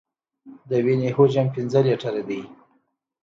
د وینې حجم پنځه لیټره دی.